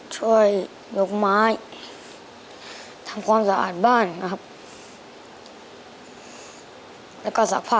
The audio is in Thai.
ช่วยนกไม้